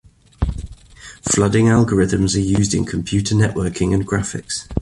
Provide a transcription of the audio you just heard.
Flooding algorithms are used in computer networking and graphics.